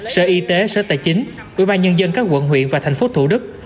sở y tế sở tài chính ủy ban nhân dân các quận huyện và thành phố thủ đức